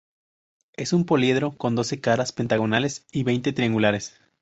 Es un poliedro con doce caras pentagonales y veinte triangulares.